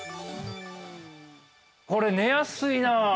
◆これ寝やすいな。